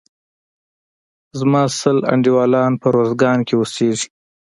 زما سل انډيوالان په روزګان کښي اوسيږي.